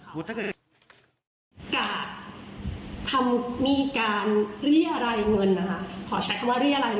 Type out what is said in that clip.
กัดทำมีการเรียรายเงินขอใช้คำว่าเรียรายเงิน